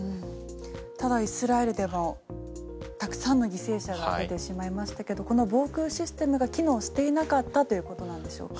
ただイスラエルでもたくさんの犠牲者が出てしまいましたがこの防空システムが機能していなかったということなんでしょうか。